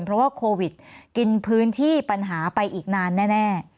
เพราะว่าโควิดกินพื้นที่ปัญหาไปอีกนานแน่